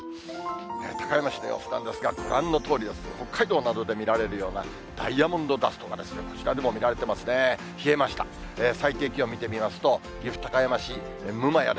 高山市の様子なんですが、ご覧のとおり、北海道などで見られるようなダイヤモンドダストがこちらでも見られてますね。